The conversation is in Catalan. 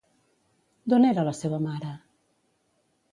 D'on era la seva mare?